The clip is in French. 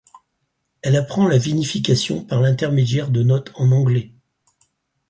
Elle apprend la vinification par l'intermédiaire de notes en anglais.